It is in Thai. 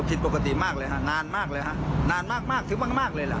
ผิดปกติมากเลยฮะนานมากเลยฮะนานมากมากซื้อมากมากเลยล่ะ